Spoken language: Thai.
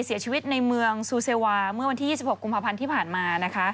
เสียชีวิตในเมืองซูเซวาเมื่อวันที่๒๖กุมภาพันธ์ที่ผ่านมานะคะ